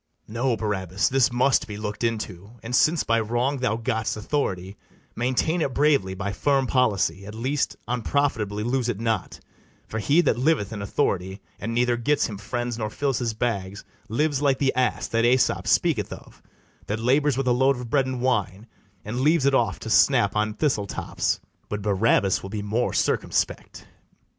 No, Barabas, this must be look'd into; And, since by wrong thou gott'st authority, Maintain it bravely by firm policy; At least, unprofitably lose it not; For he that liveth in authority, And neither gets him friends nor fills his bags, Lives like the ass that Aesop speaketh of, That labours with a load of bread and wine, And leaves it off to snap on thistle tops: But Barabas will be more circumspect.